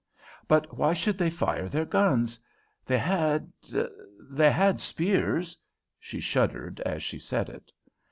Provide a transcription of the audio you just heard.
"But why should they fire their guns? They had they had spears." She shuddered as she said it.